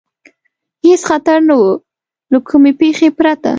هېڅ خطر نه و، له کومې پېښې پرته.